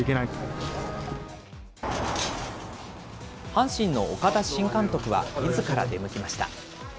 阪神の岡田新監督は、みずから出向きました。